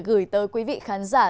chúng tôi đang cố gắng đến các bạn